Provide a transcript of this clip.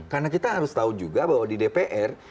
karena kita harus tahu juga bahwa di dpr